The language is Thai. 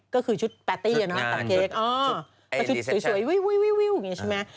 ก็คือชุดแปตตี้นะตัดเค้กอ๋อชุดสวยอย่างนี้ใช่ไหม